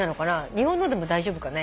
日本のでも大丈夫かね。